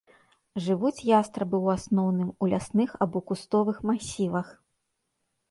Жывуць ястрабы ў асноўным у лясных або кустовых масівах.